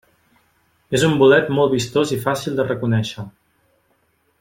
És un bolet molt vistós i fàcil de reconèixer.